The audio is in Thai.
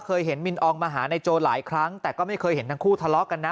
เคยเห็นมินอองมาหานายโจหลายครั้งแต่ก็ไม่เคยเห็นทั้งคู่ทะเลาะกันนะ